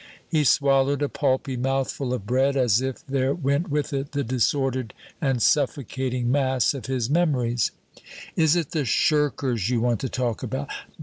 He swallowed a pulpy mouthful of bread as if there went with it the disordered and suffocating mass of his memories. "Is it the shirkers you want to talk about?"